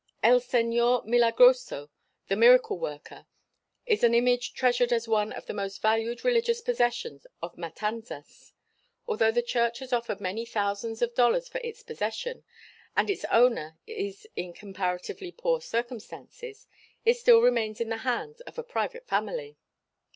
"El Señor Milagroso" the miracle worker, is an image treasured as one of the most valued religious possession of Matanzas. Although the church has offered many thousands of dollars for its possession, and its owner is in comparatively poor circumstances, it still remains in the hands of a private family.